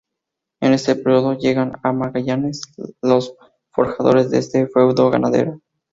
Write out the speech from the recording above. En este periodo llegan a Magallanes, los forjadores de este feudo ganadero.